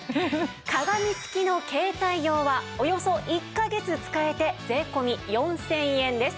鏡つきの携帯用はおよそ１カ月使えて税込４０００円です。